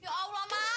ya allah mak